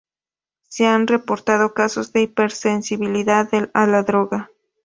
Se han reportado casos de hipersensibilidad a la droga.